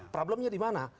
problemnya di mana